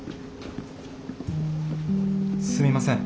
すみません。